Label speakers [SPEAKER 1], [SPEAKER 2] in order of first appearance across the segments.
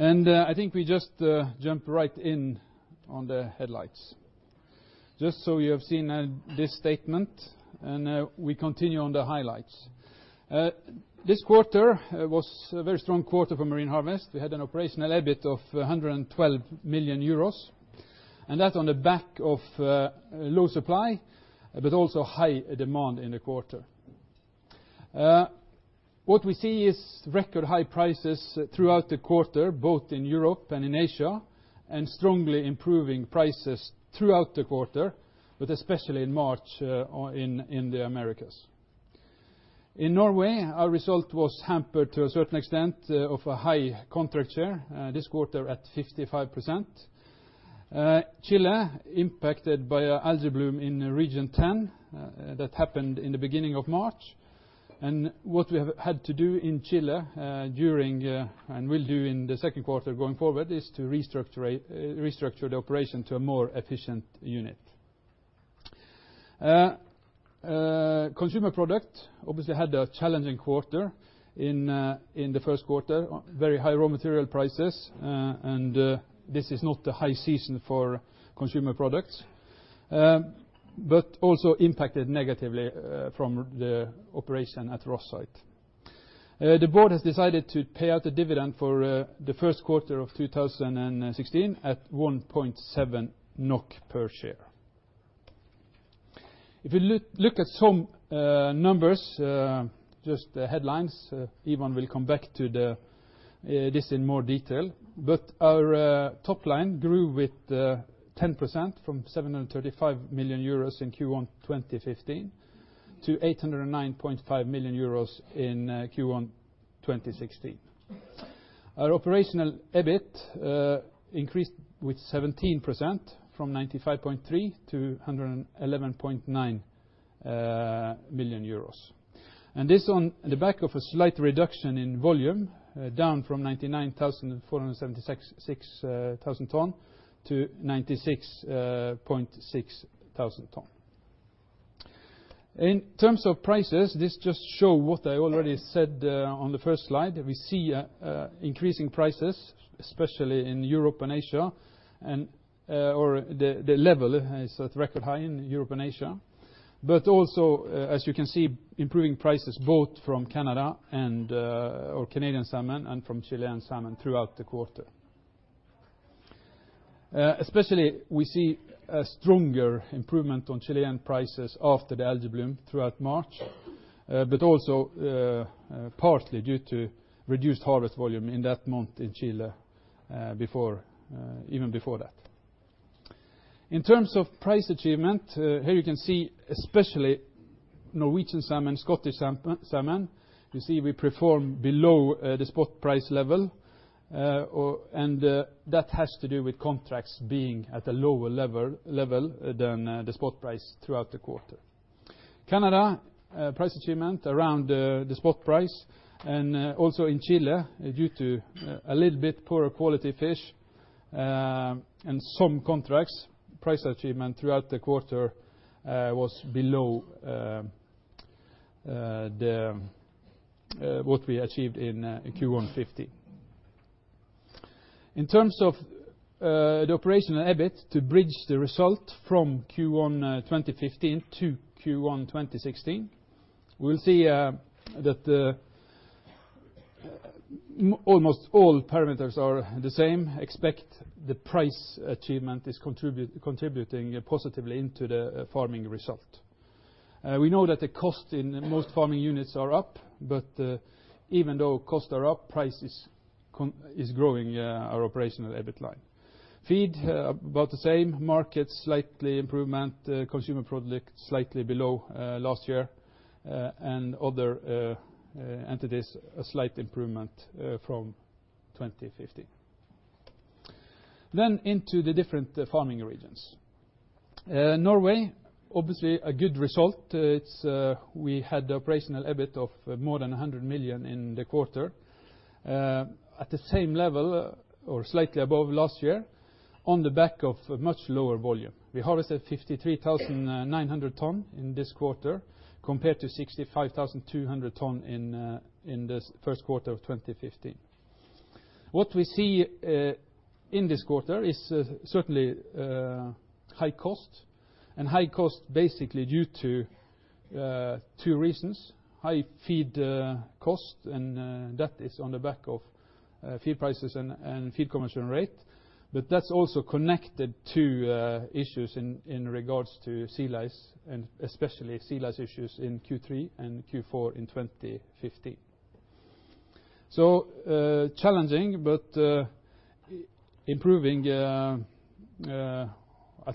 [SPEAKER 1] I think we just jump right in on the headlines. You have seen this statement, we continue on the highlights. This quarter was a very strong quarter for Marine Harvest. We had an operational EBIT of 112 million euros, that on the back of low supply but also high demand in the quarter. What we see record high prices throughout the quarter, both in Europe and in Asia, strongly improving prices throughout the quarter, but especially in March in the Americas. In Norway, our result was hampered to a certain extent of a high contract share this quarter at 65%. Chile impacted by algae bloom in Region 10. That happened in the beginning of March. What we have had to do in Chile during, and will do in the second quarter going forward, is to restructure the operation to a more efficient unit. Consumer product obviously had a challenging quarter in the first quarter. Very high raw material prices, this is not the high season for consumer products. Also impacted negatively from the operation at Rosyth. The board has decided to pay out the dividend for the first quarter of 2016 at 1.7 NOK per share. If you look at some numbers, just the headlines, Ivan will come back to this in more detail, but our top line grew with 10% from 735 million euros in Q1 2015 to 809.5 million euros in Q1 2016. Our operational EBIT increased with 17% from 95.3 million euros to 111.9 million euros. This on the back of a slight reduction in volume, down from 99,476 tons to 96,600 tons. In terms of prices, this just show what I already said on the first slide, that we see increasing prices, especially in Europe and Asia, or the level is at record high in Europe and Asia. Also, as you can see, improving prices both from Canada or Canadian salmon and from Chilean salmon throughout the quarter. Especially, we see a stronger improvement on Chilean prices after the algae bloom throughout March but also partly due to reduced harvest volume in that month in Chile even before that. In terms of price achievement, here you can see especially Norwegian salmon, Scottish salmon, you see we perform below the spot price level, and that has to do with contracts being at a lower level than the spot price throughout the quarter. Canada price achievement around the spot price and also in Chile due to a little bit poor quality fish and some contracts price achievement throughout the quarter was below what we achieved in Q1 2015. In terms of the operational EBIT to bridge the result from Q1 2015 to Q1 2016, we see that almost all parameters are the same, expect the price achievement is contributing positively into the farming result. We know that the cost in most farming units are up, but even though costs are up, price is growing our operational EBIT line. Feed about the same, market slight improvement, consumer product slightly below last year, and other entities a slight improvement from 2015. Into the different farming regions. Norway, obviously a good result. We had the operational EBIT of more than 100 million in the quarter at the same level or slightly above last year on the back of a much lower volume. We harvested 53,900 tons in this quarter, compared to 65,200 tons in this first quarter of 2015. What we see in this quarter is certainly high cost and high cost basically due to two reasons, high feed cost and that is on the back of feed prices and feed conversion rate. That's also connected to issues in regards to sea lice and especially sea lice issues in Q3 and Q4 in 2015. Challenging but improving at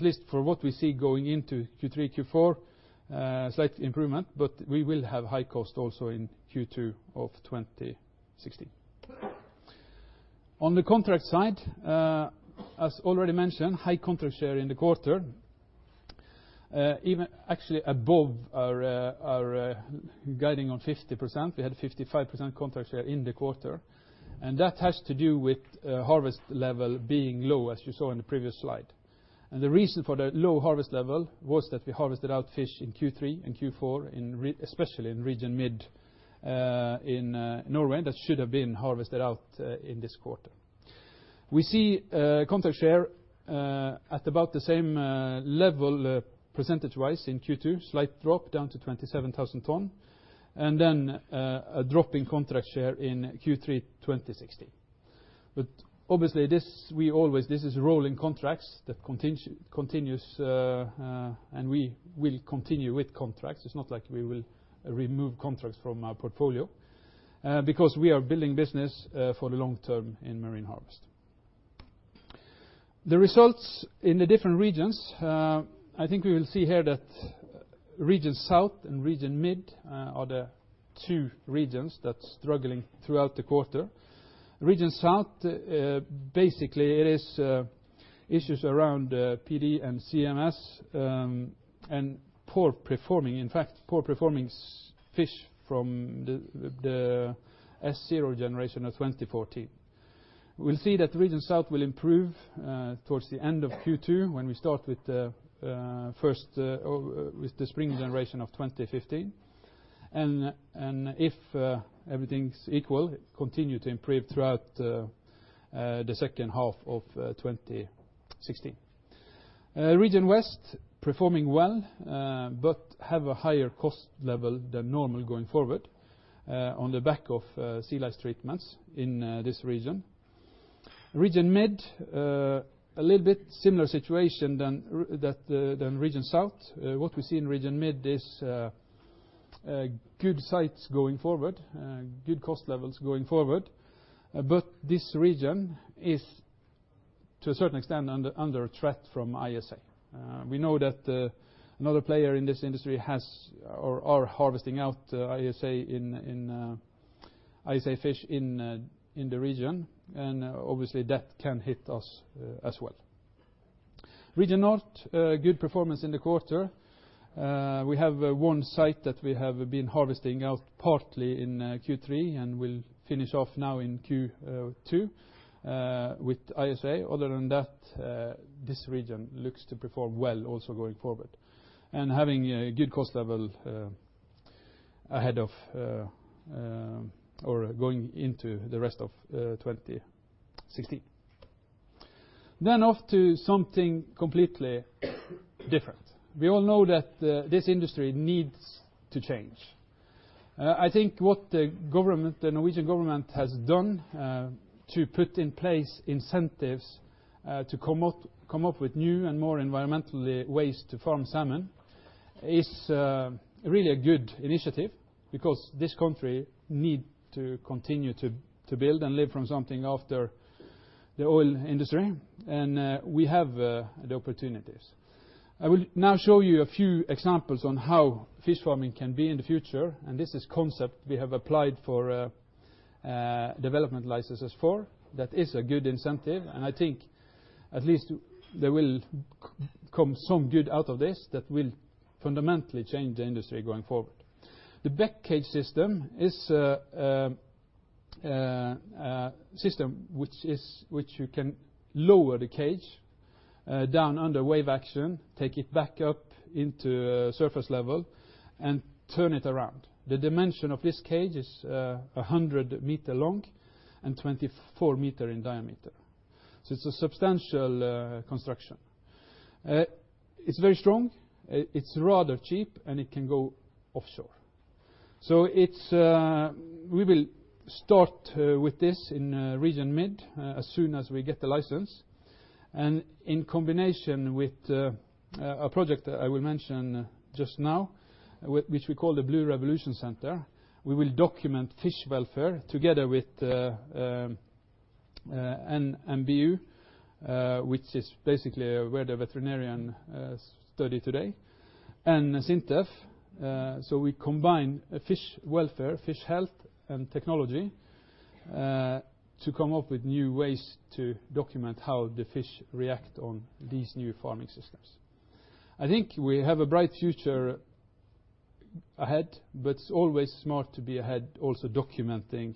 [SPEAKER 1] least from what we see going into Q3, Q4, slight improvement, but we will have high cost also in Q2 of 2016. On the contract side, as already mentioned, high contract share in the quarter actually above our guiding on 50%, we had 55% contract share in the quarter. That has to do with harvest level being low, as you saw in the previous slide. The reason for that low harvest level was that we harvested out fish in Q3 and Q4 especially in Region Mid in Norway that should have been harvested out in this quarter. We see contract share at about the same level percentage-wise in Q2, slight drop down to 27,000 tons, then a drop in contract share in Q3 2016. Obviously, this is rolling contracts that continues, we will continue with contracts. It's not like we will remove contracts from our portfolio, because we are building business for the long term in Marine Harvest. The results in the different regions, I think we will see here that Region South and Region Mid are the 2 regions that's struggling throughout the quarter. Region South, basically it is issues around PD and CMS, and poor performing, in fact, poor performing fish from the S0 generation of 2014. We'll see that Region South will improve towards the end of Q2 when we start with the spring generation of 2015, and if everything's equal, continue to improve throughout the second half of 2016. Region West performing well, have a higher cost level than normal going forward, on the back of sea lice treatments in this region. Region Mid, a little bit similar situation than Region South. What we see in Region Mid is good sites going forward, good cost levels going forward. This region is, to a certain extent, under threat from ISA. We know that another player in this industry are harvesting out ISA fish in the region, obviously, that can hit us as well. Region North, good performance in the quarter. We have one site that we have been harvesting out partly in Q3, we'll finish off now in Q2 with ISA. Other than that, this region looks to perform well also going forward and having a good cost level ahead of or going into the rest of 2016. Off to something completely different. We all know that this industry needs to change. I think what the Norwegian government has done to put in place incentives to come up with new and more environmentally ways to farm salmon is really a good initiative because this country need to continue to build and live from something after the oil industry, we have the opportunities. I will now show you a few examples on how fish farming can be in the future. This is concept we have applied for development licenses for. That is a good incentive, I think at least there will come some good out of this that will fundamentally change the industry going forward. The Beck cage system is a system which you can lower the cage down under wave action, take it back up into surface level, and turn it around. The dimension of this cage is 100 m long and 24 m in diameter. It's a substantial construction. It's very strong, it's rather cheap, and it can go offshore. We will start with this in Region Mid, as soon as we get the license. In combination with a project that I will mention just now, which we call the Blue Revolution Center, we will document fish welfare together with NMBU, which is basically where the veterinarian study today, and SINTEF. We combine fish welfare, fish health, and technology to come up with new ways to document how the fish react on these new farming systems. I think we have a bright future ahead, but it's always smart to be ahead, also documenting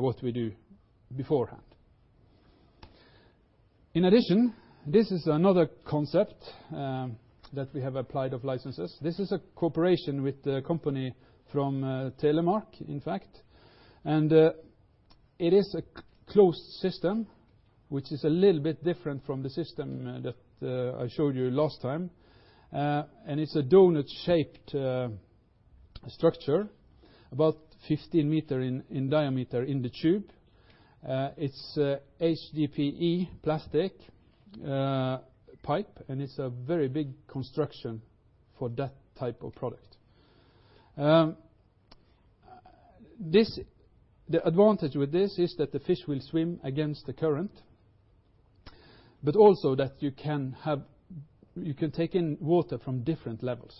[SPEAKER 1] what we do beforehand. In addition, this is another concept that we have applied of licenses. This is a cooperation with a company from Telemark, in fact, and it is a closed system, which is a little bit different from the system that I showed you last time. It's a doughnut-shaped structure, about 15 m in diameter in the tube. It's HDPE plastic pipe, and it's a very big construction for that type of product. The advantage with this is that the fish will swim against the current, but also that you can take in water from different levels.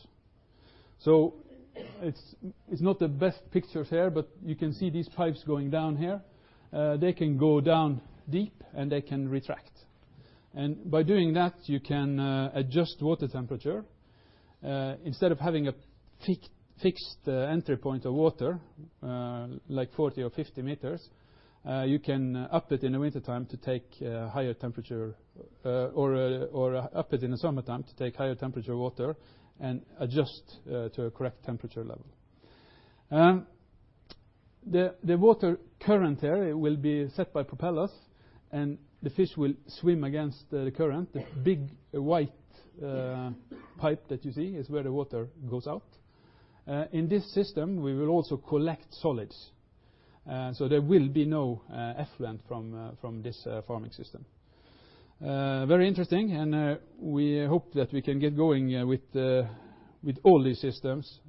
[SPEAKER 1] It's not the best pictures here, but you can see these pipes going down here. They can go down deep, and they can retract. By doing that, you can adjust water temperature. Instead of having a fixed entry point of water, like 40 m or 50 m, you can up it in the summertime to take higher temperature water and adjust to a correct temperature level. The water current there will be set by propellers, and the fish will swim against the current. The big white pipe that you see is where the water goes out. In this system, we will also collect solids, so there will be no effluent from this farming system. Very interesting. We hope that we can get going with all these systems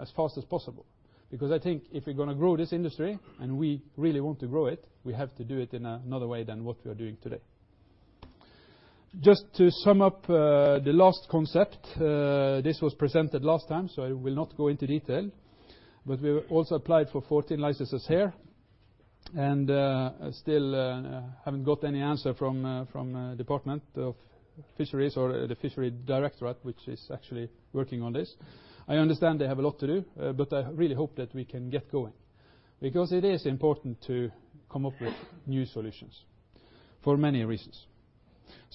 [SPEAKER 1] as fast as possible because I think if we're going to grow this industry, and we really want to grow it, we have to do it in another way than what we are doing today. Just to sum up the last concept, this was presented last time, so I will not go into detail. We also applied for 14 licenses here and still haven't got any answer from Department of Fisheries or the Directorate of Fisheries, which is actually working on this. I understand they have a lot to do, but I really hope that we can get going because it is important to come up with new solutions for many reasons.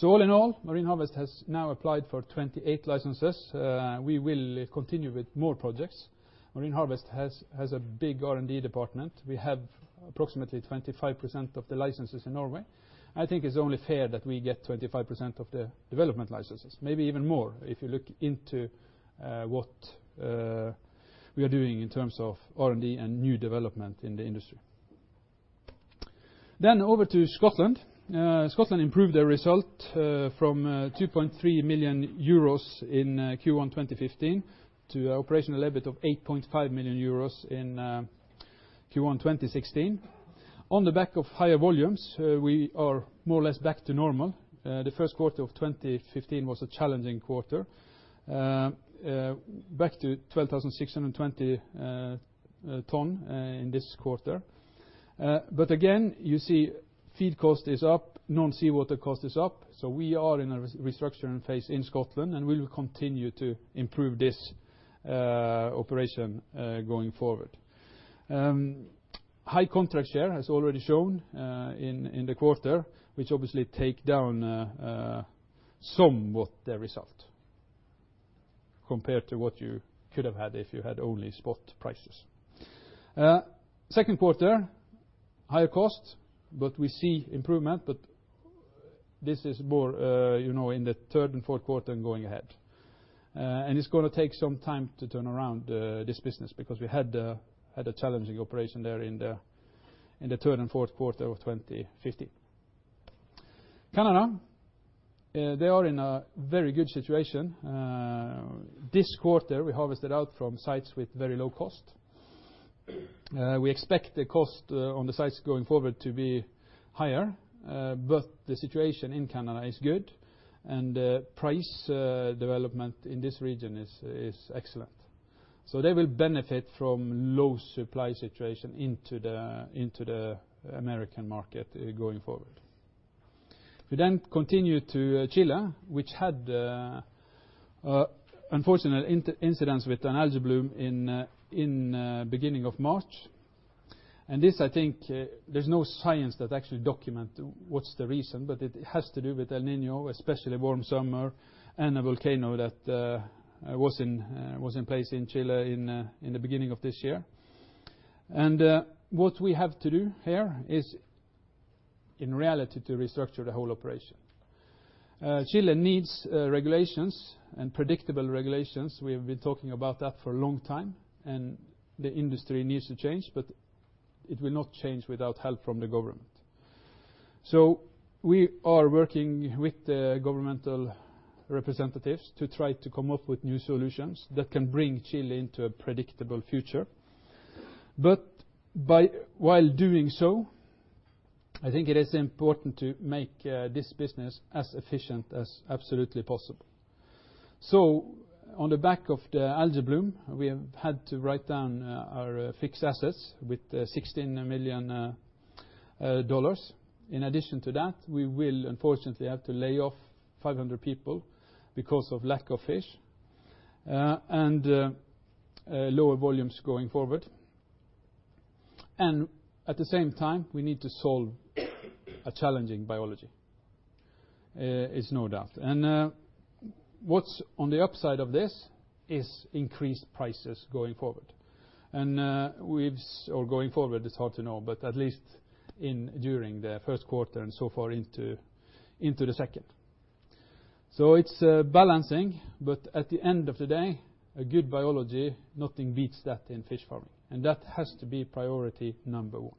[SPEAKER 1] All in all, Marine Harvest has now applied for 28 licenses. We will continue with more projects. Marine Harvest has a big R&D department. We have approximately 25% of the licenses in Norway. I think it's only fair that we get 25% of the development licenses, maybe even more if you look into what we are doing in terms of R&D and new development in the industry. Over to Scotland. Scotland improved their result from 2.3 million euros in Q1 2015 to operational EBITDA of 8.5 million euros in Q1 2016. On the back of higher volumes, we are more or less back to normal. The first quarter of 2015 was a challenging quarter. Back to 12,620 tons in this quarter. Again, you see feed cost is up, non sea water cost is up. We are in a restructuring phase in Scotland, and we will continue to improve this operation going forward. High contract share as already shown in the quarter which obviously take down somewhat the result compared to what you could have had if you had only spot prices. Second quarter, high cost, but we see improvement. This is more in the third and fourth quarter going ahead. It's going to take some time to turn around this business because we had a challenging operation there in the third and fourth quarter of 2015. Canada, they are in a very good situation. This quarter, we harvested out from sites with very low cost. We expect the cost on the sites going forward to be higher. The situation in Canada is good and price development in this region is excellent. They will benefit from low supply situation into the American market going forward. We continue to Chile, which had unfortunate incidents with an algae bloom in beginning of March. This, I think there's no science that actually document what's the reason, but it has to do with El Niño, especially warm summer and a volcano that was in place in Chile in the beginning of this year. What we have to do here is in reality to restructure the whole operation. Chile needs regulations and predictable regulations. We have been talking about that for a long time, and the industry needs to change, but it will not change without help from the government. We are working with the governmental representatives to try to come up with new solutions that can bring Chile into a predictable future. While doing so, I think it is important to make this business as efficient as absolutely possible. On the back of the algae bloom, we have had to write down our fixed assets with $16 million. In addition to that, we will unfortunately have to lay off 500 people because of lack of fish and lower volumes going forward. At the same time, we need to solve a challenging biology. It's no doubt. What's on the upside of this is increased prices going forward and or going forward, it's hard to know, but at least during the first quarter and so far into the second. It's balancing, but at the end of the day, a good biology, nothing beats that in fish farming and that has to be priority number one.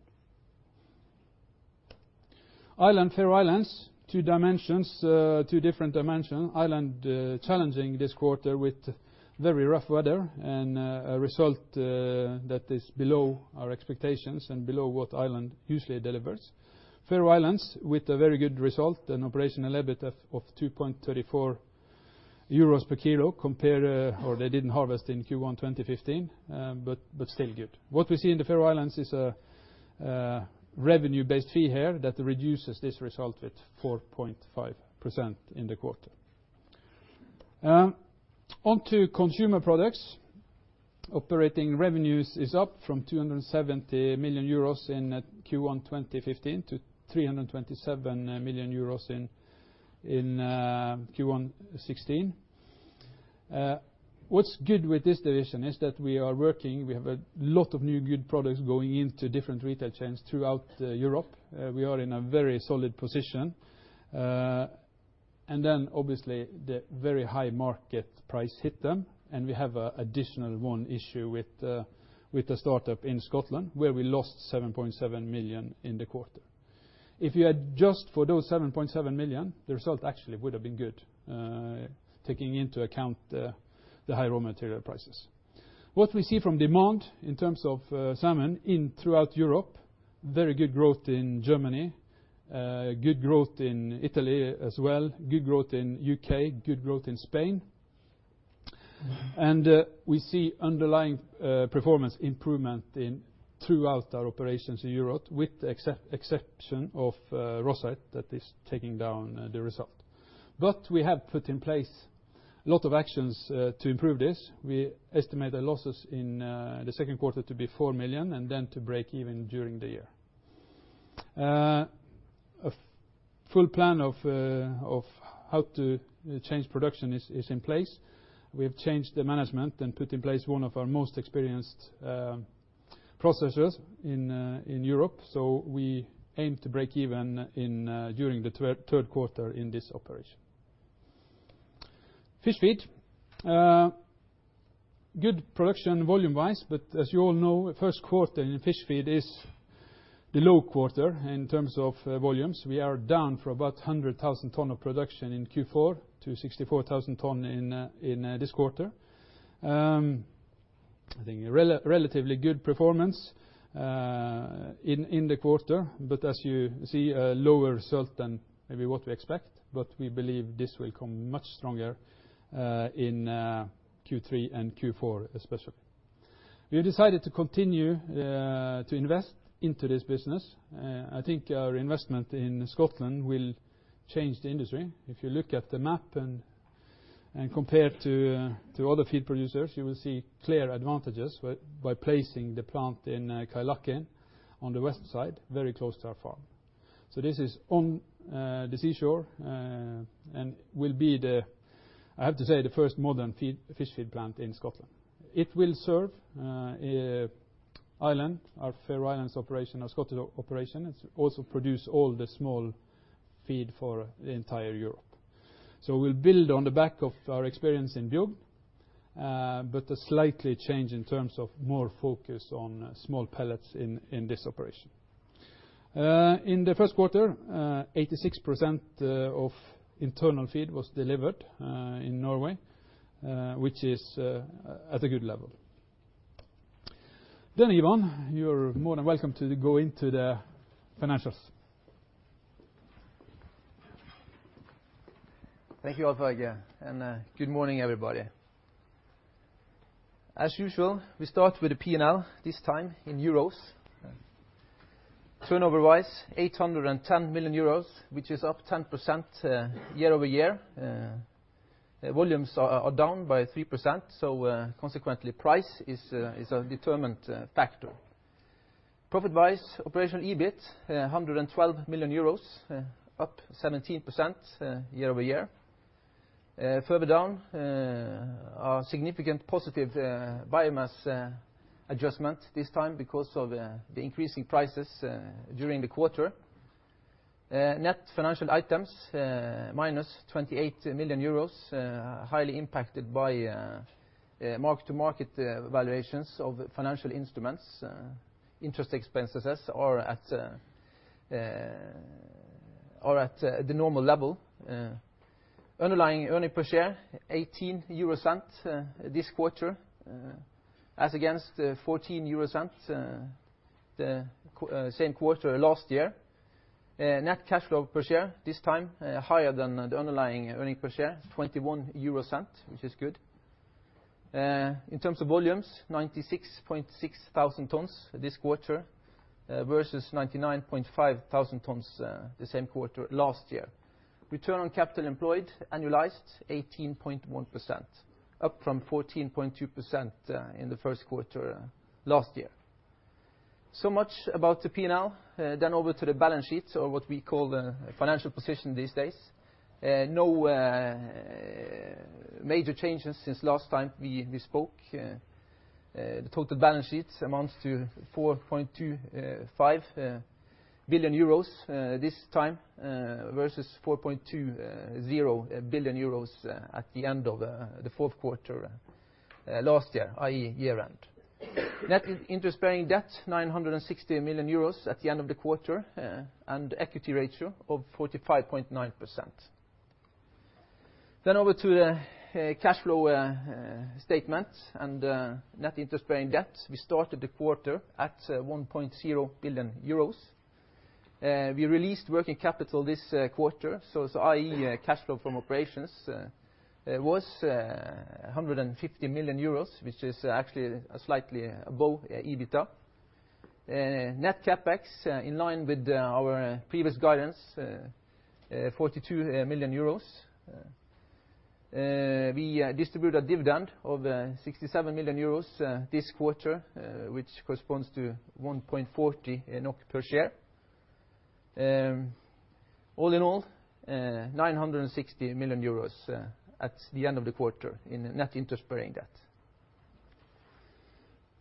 [SPEAKER 1] Ireland, Faroe Islands, two different dimensions. Ireland challenging this quarter with very rough weather and a result that is below our expectations and below what Ireland usually delivers. Faroe Islands with a very good result and operational EBITDA of 2.34 euros per kilo compared or they didn't harvest in Q1 2015, but still good. What we see in the Faroe Islands is a revenue base here that reduces this result at 4.5% in the quarter. On to consumer products. Operating revenues is up from 270 million euros in Q1 2015 to 327 million euros in Q1 2016. What's good with this division is that we are working. We have a lot of new good products going into different retail chains throughout Europe. We are in a very solid position. Obviously, the very high market price hit them, and we have additional one issue with the startup in Scotland, where we lost 7.7 million in the quarter. If you adjust for those 7.7 million, the result actually would have been good, taking into account the high raw material prices. What we see from demand in terms of salmon throughout Europe, very good growth in Germany, good growth in Italy as well, good growth in U.K., good growth in Spain. We see underlying performance improvement throughout our operations in Europe, with the exception of Rosyth that is taking down the result. We have put in place a lot of actions to improve this. We estimate the losses in the second quarter to be 4 million and then to break even during the year. A full plan of how to change production is in place. We have changed the management and put in place one of our most experienced processors in Europe. We aim to break even during the third quarter in this operation. Fish feed. Good production volume-wise, but as you all know, first quarter in fish feed is the low quarter in terms of volumes. We are down for about 100,000 tons of production in Q4 to 64,000 tons in this quarter. I think relatively good performance in the quarter, but as you see, a lower result than maybe what we expect, but we believe this will come much stronger in Q3 and Q4 especially. We have decided to continue to invest into this business. I think our investment in Scotland will change the industry. If you look at the map and compare to other feed producers, you will see clear advantages by placing the plant in Kyleakin on the west side, very close to our farm. This is on the seashore, and will be, I have to say, the 1st modern fish feed plant in Scotland. It will serve Ireland, our Faroe Islands operation, our Scottish operation. It also produce all the smolt feed for the entire Europe. We'll build on the back of our experience in Bjugn, but a slightly change in terms of more focus on small pellets in this operation. In the first quarter, 86% of internal feed was delivered in Norway, which is at a good level. Ivan, you're more than welcome to go into the financials.
[SPEAKER 2] Thank you, Alf-Helge. Good morning, everybody. As usual, we start with the P&L, this time in Euros. Turnover-wise, 810 million euros, which is up 10% year-over-year. Volumes are down by 3%, so consequently, price is a determined factor. Profit-wise, operational EBIT, 112 million euros, up 17% year-over-year. Further down, our significant positive biomass adjustment this time because of the increasing prices during the quarter. Net financial items, -28 million euros, highly impacted by mark-to-market valuations of financial instruments. Interest expenses are at the normal level. Underlying earning per share, 0.18 this quarter, as against 0.14 the same quarter last year. Net cash flow per share, this time higher than the underlying earning per share, 0.21, which is good. In terms of volumes, 96,600 tons this quarter versus 99,500 tons the same quarter last year. Return on capital employed, annualized, 18.1%, up from 14.2% in the first quarter last year. Much about the P&L. Over to the balance sheet, or what we call the financial position these days. No major changes since last time we spoke. The total balance sheet amounts to 4.25 billion euros this time versus 4.20 billion euros at the end of the fourth quarter last year, i.e., year-end. Net interest-bearing debt, 960 million euros at the end of the quarter, and equity ratio of 45.9%. Over to the cash flow statement and net interest-bearing debt. We started the quarter at 1.0 billion euros. We released working capital this quarter, i.e., cash flow from operations was 150 million euros, which is actually slightly above EBITDA. Net CapEx, in line with our previous guidance, 42 million euros. We distribute a dividend of 67 million euros this quarter, which corresponds to 1.40 NOK per share. All in all, 960 million euros at the end of the quarter in net interest-bearing debt.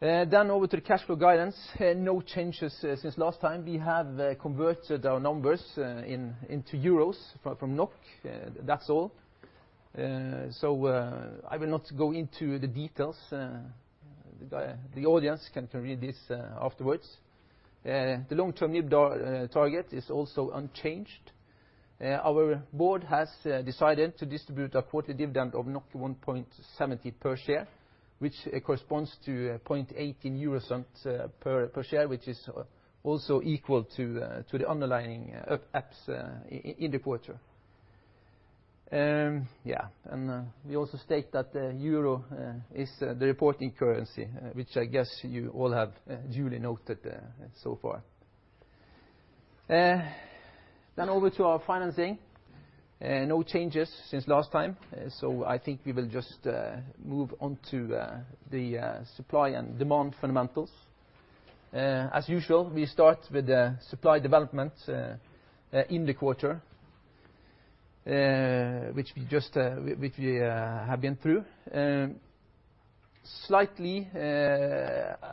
[SPEAKER 2] Over to the cash flow guidance. No changes since last time. We have converted our numbers into Euros from NOK. That's all. I will not go into the details. The audience can read these afterwards. The long-term target is also unchanged. Our board has decided to distribute a quarterly dividend of 1.70 per share, which corresponds to 0.18 per share, which is also equal to the underlying EPS in the quarter. We also state that the Euro is the reporting currency, which I guess you all have duly noted so far. Over to our financing. No changes since last time. I think we will just move on to the supply and demand fundamentals. As usual, we start with the supply development in the quarter, which we have been through. Slightly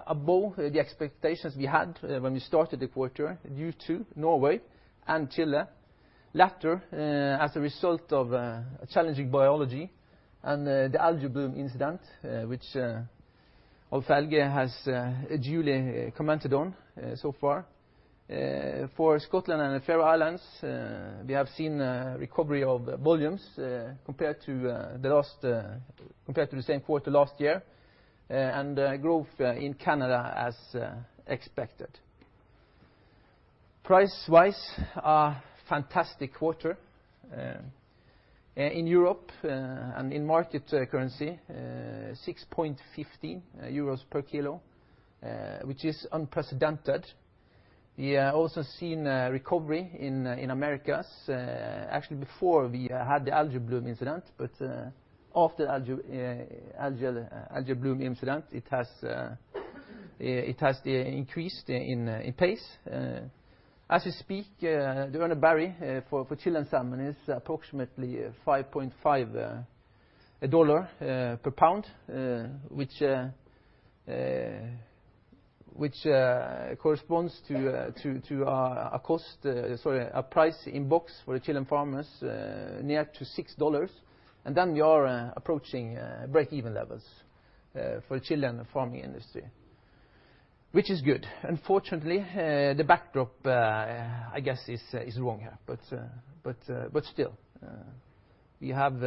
[SPEAKER 2] above the expectations we had when we started the quarter due to Norway and Chile, latter as a result of a challenging biology and the algae bloom incident, which Alf-Helge has duly commented on so far. For Scotland and the Faroe Islands, we have seen a recovery of volumes compared to the same quarter last year, and growth in Canada as expected. Price-wise, a fantastic quarter. In Europe and in market currency, 6.50 euros per kilo, which is unprecedented. We have also seen a recovery in Americas, actually, before we had the algae bloom incident. After the algae bloom incident, it has increased in pace. As we speak, the Urner Barry for Chilean salmon is approximately $5.5 per pound, which corresponds to a price in-box for Chilean farmers near to $6. We are approaching break-even levels for Chilean farming industry, which is good. Unfortunately, the backdrop, I guess, is wrong. We have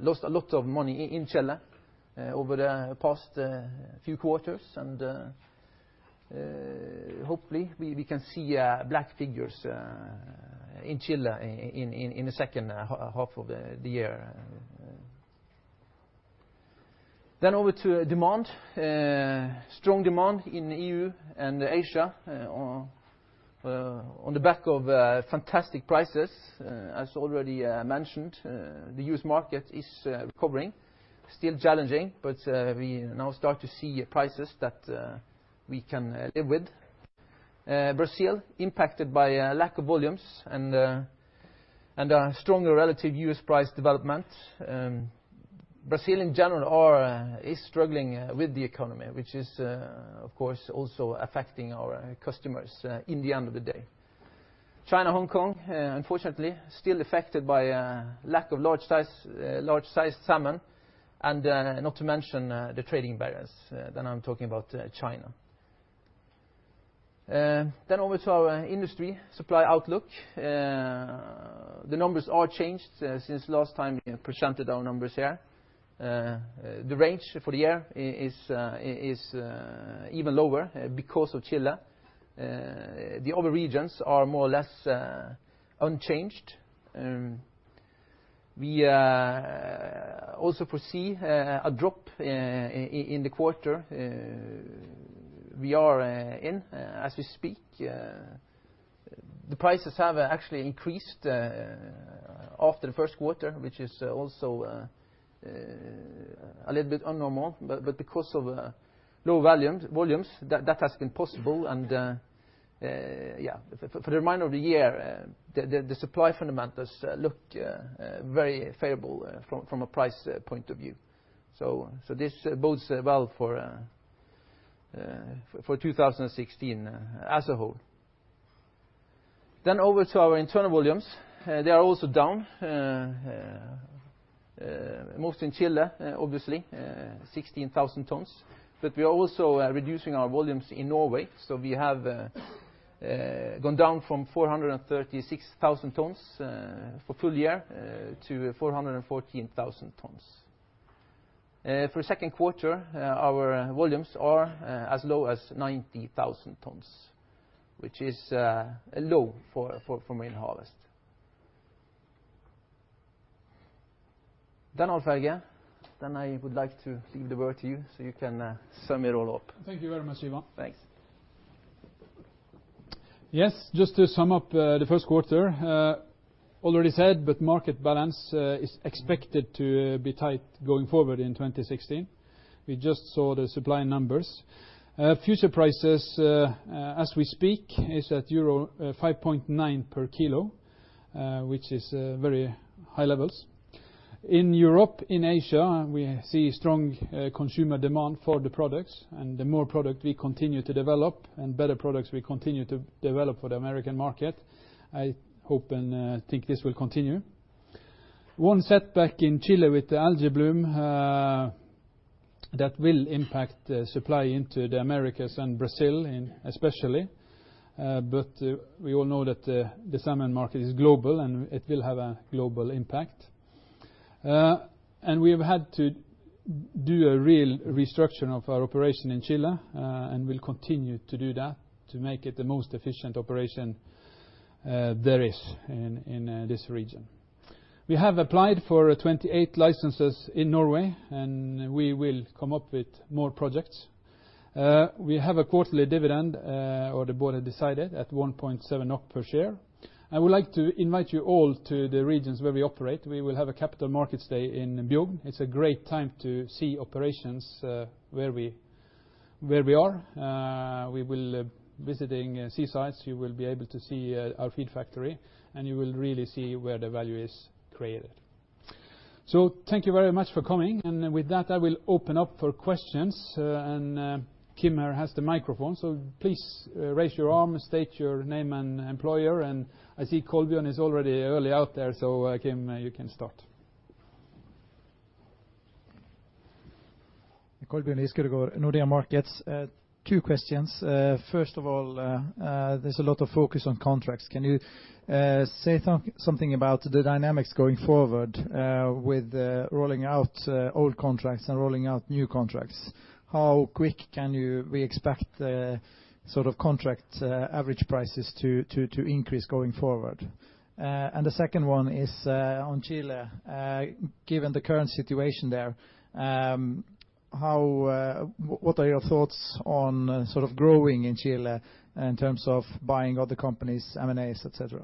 [SPEAKER 2] lost a lot of money in Chile over the past few quarters, and hopefully we can see black figures in Chile in the second half of the year. Over to demand. Strong demand in E.U. and Asia on the back of fantastic prices. As already mentioned, the U.S. market is recovering. Still challenging, but we now start to see prices that we can live with. Brazil impacted by a lack of volumes and a stronger relative U.S. price development. Brazil, in general, is struggling with the economy, which is, of course, also affecting our customers in the end of the day. China, Hong Kong, unfortunately, still affected by a lack of large-sized salmon and not to mention the trading barriers. I'm talking about China. Over to our industry supply outlook. The numbers are changed since last time we presented our numbers here. The range for the year is even lower because of Chile. The other regions are more or less unchanged. We also foresee a drop in the quarter we are in as we speak. The prices have actually increased after the first quarter, which is also a little bit abnormal, but because of low volumes, that has been possible. For the remainder of the year, the supply fundamentals look very favorable from a price point of view. This bodes well for 2016 as a whole. Over to our internal volumes. They are also down, mostly in Chile, obviously 16,000 tonnes, but we are also reducing our volumes in Norway. We have gone down from 436,000 tonnes for full year to 414,000 tonnes. For second quarter, our volumes are as low as 90,000 tonnes, which is low for Marine Harvest. Alf-Helge. I would like to give the word to you so you can sum it all up.
[SPEAKER 1] Thank you very much, Ivan.
[SPEAKER 2] Thanks.
[SPEAKER 1] Yes, just to sum up the first quarter. Already said, but market balance is expected to be tight going forward in 2016. We just saw the supply numbers. Future prices, as we speak, is at euro 5.9 per kilo, which is very high levels. In Europe, in Asia, we see strong consumer demand for the products. The more product we continue to develop and better products we continue to develop for the American market, I hope and think this will continue. One setback in Chile with the algae bloom, that will impact the supply into the Americas and Brazil especially. We all know that the salmon market is global, and it will have a global impact. We've had to do a real restructuring of our operation in Chile, and we'll continue to do that to make it the most efficient operation there is in this region. We have applied for 28 licenses in Norway, and we will come up with more projects. We have a quarterly dividend, or the board has decided, at 1.7 NOK per share. I would like to invite you all to the regions where we operate. We will have a capital markets day in Bjugn. It's a great time to see operations where we are. We will visiting seasides. You will be able to see our feed factory, and you will really see where the value is created. Thank you very much for coming. With that, I will open up for questions, and Kim here has the microphone. Please raise your arm, state your name and employer. I see Kolbjørn is already early out there, Kim, you can start.
[SPEAKER 3] Kolbjørn Giskeødegård is going to go. Nordea Markets. Two questions. First of all, there's a lot of focus on contracts. Can you say something about the dynamics going forward with rolling out old contracts and rolling out new contracts? How quick can we expect the sort of contract average prices to increase going forward? The second one is on Chile. Given the current situation there, what are your thoughts on sort of growing in Chile in terms of buying other companies, M&As, et cetera?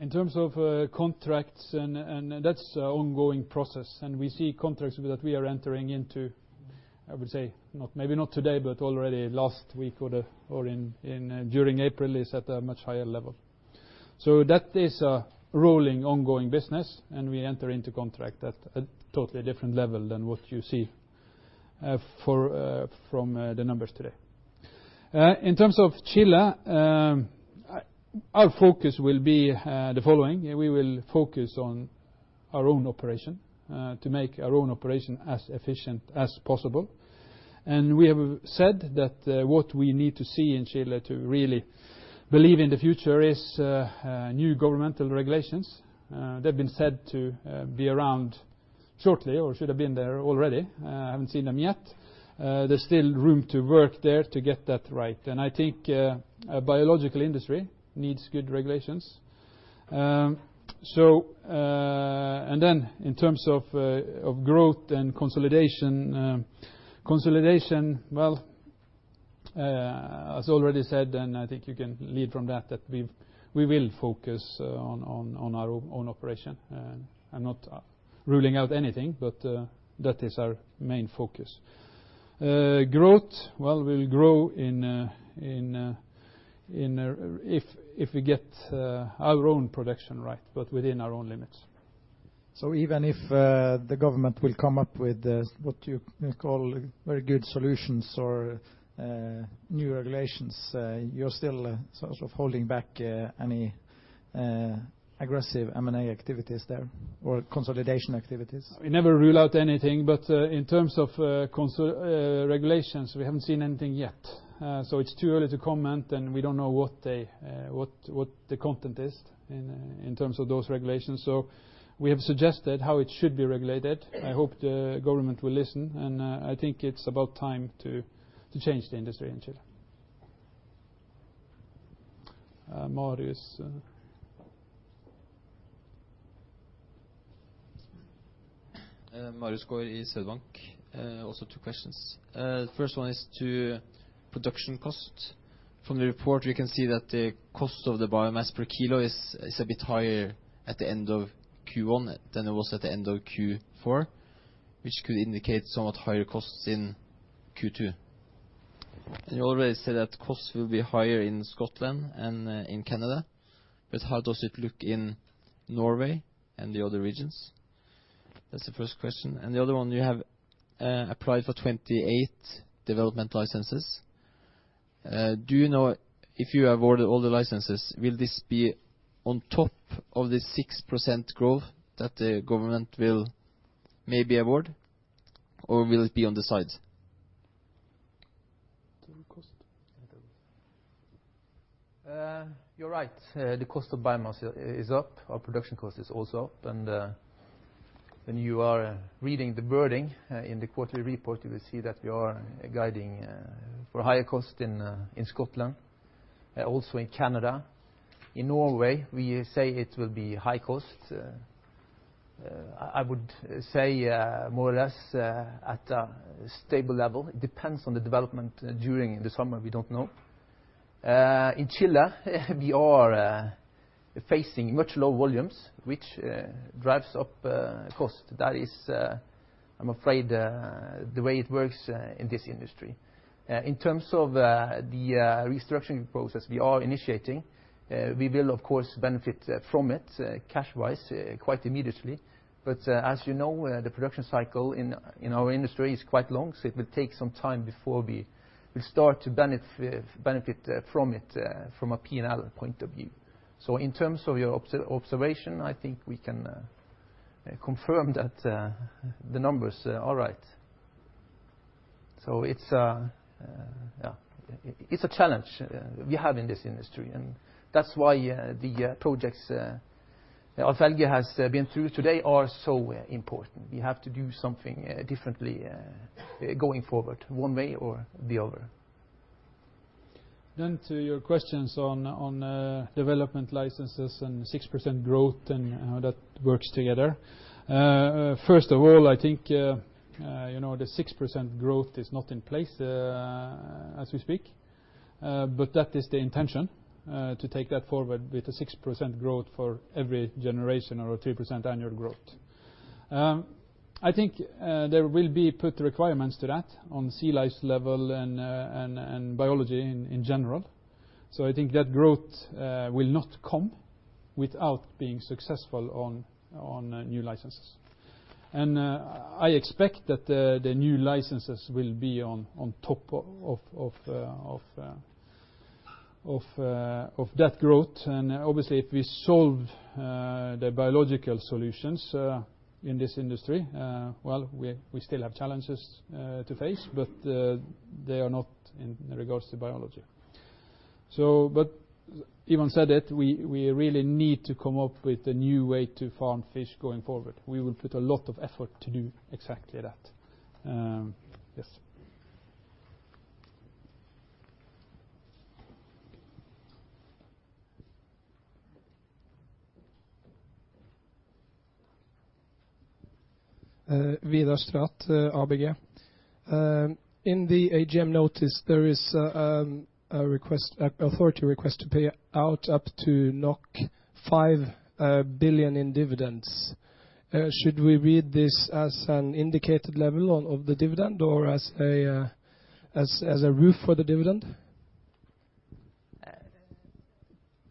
[SPEAKER 1] In terms of contracts and that's an ongoing process, and we see contracts that we are entering into, I would say maybe not today, but already last week or during April is at a much higher level. That is a rolling, ongoing business, and we enter into contract at a totally different level than what you see from the numbers today. In terms of Chile, our focus will be the following. We will focus on our own operation to make our own operation as efficient as possible. We have said that what we need to see in Chile to really believe in the future is new governmental regulations. They've been said to be around shortly or should have been there already. I haven't seen them yet. There's still room to work there to get that right. I think a biological industry needs good regulations. In terms of growth and consolidation. Consolidation, well, as already said, and I think you can lead from that we will focus on our own operation, and I am not ruling out anything, but that is our main focus. Growth, well, we will grow if we get our own production right, but within our own limits.
[SPEAKER 3] Even if the government will come up with what you call very good solutions or new regulations, you're still sort of holding back any aggressive M&A activities there or consolidation activities?
[SPEAKER 1] We never rule out anything, but in terms of regulations, we haven't seen anything yet. It's too early to comment, and we don't know what the content is in terms of those regulations. We have suggested how it should be regulated. I hope the government will listen, and I think it's about time to change the industry in Chile. Marius.
[SPEAKER 4] Marius Gaard of Swedbank, also two questions. The first one is to production cost. From the report, we can see that the cost of the biomass per kilo is a bit higher at the end of Q1 than it was at the end of Q4, which could indicate somewhat higher costs in Q2. You already said that costs will be higher in Scotland than in Canada, but how does it look in Norway and the other regions? That's the first question. The other one, you have applied for 28 development licenses. Do you know if you are awarded all the licenses, will this be on top of the 6% growth that the government will maybe award, or will it be on the side?
[SPEAKER 2] Total cost. You are right. The cost of biomass is up. Our production cost is also up. When you are reading the wording in the quarterly report, you will see that we are guiding for higher cost in Scotland, also in Canada. In Norway, we say it will be high cost. I would say more or less at a stable level. It depends on the development during the summer, we don't know. In Chile, we are facing much lower volumes, which drives up cost. That is, I'm afraid, the way it works in this industry. In terms of the restructuring process we are initiating, we will, of course, benefit from it cash-wise quite immediately. As you know, the production cycle in our industry is quite long, so it will take some time before we start to benefit from it from a P&L point of view. In terms of your observation, I think we can confirm that the numbers are all right. It's a challenge we have in this industry, and that's why the projects Alf-Helge has been through today are so important. We have to do something differently going forward, one way or the other.
[SPEAKER 1] To your questions on development licenses and 6% growth and how that works together. First of all, I think the 6% growth is not in place as we speak. That is the intention to take that forward with a 6% growth for every generation or a 3% annual growth. I think there will be put requirements to that on sea lice level and biology in general. I think that growth will not come without being successful on new licenses. I expect that the new licenses will be on top of that growth. Obviously, if we solve the biological solutions in this industry, well, we still have challenges to face, but they are not in regard to biology. Even said that, we really need to come up with a new way to farm fish going forward. We will put a lot of effort to do exactly that. Yes.
[SPEAKER 5] Vidar Strat, ABG. In the AGM notice, there is an authority request to pay out up to 5 billion in dividends. Should we read this as an indicated level of the dividend or as a roof for the dividend?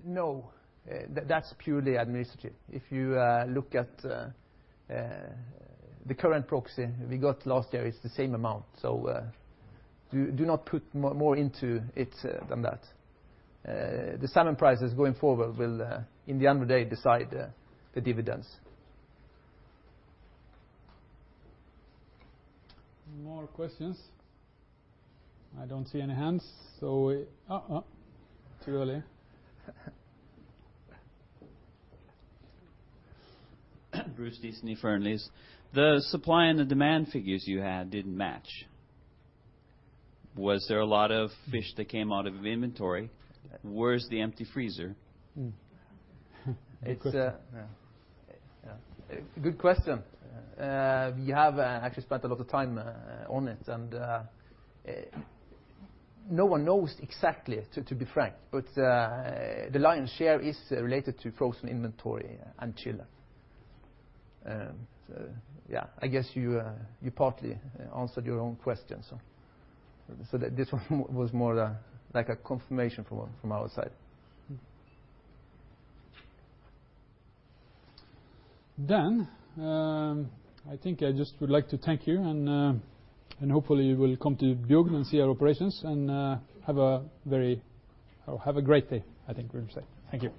[SPEAKER 2] No. That's purely administrative. If you look at the current proxy we got last year, it's the same amount, so do not put more into it than that. The salmon prices going forward will in the end of the day decide the dividends.
[SPEAKER 1] More questions? I don't see any hands, so too early.
[SPEAKER 6] Bruce Diesen, Ferncliff The supply and the demand figures you had didn't match. Was there a lot of fish that came out of inventory? Where is the empty freezer?
[SPEAKER 2] Good question. We have actually spent a lot of time on it, and no one knows exactly, to be frank. The lion's share is related to frozen inventory and Chile. I guess you partly answered your own question. This one was more like a confirmation from our side.
[SPEAKER 1] I think I just would like to thank you, and hopefully, you will come to Bjugn and see our operations. Have a great day, I think we would say. Thank you.